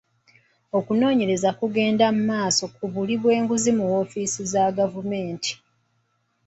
Okunoonyereza kugenda mu maaso ku buli bw'enguzi mu woofiisi za gavumenti.